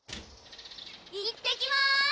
いってきます